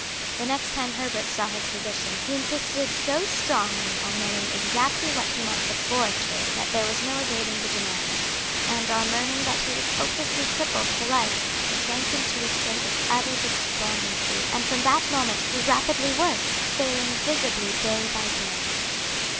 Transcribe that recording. The next time Herbert saw his physician, he insisted so strongly on knowing exactly what he might look forward to that there was no evading the demand; and on learning that he was hopelessly crippled for life, he sank into a state of utter despondency, and from that moment grew rapidly worse, failing visibly day by day.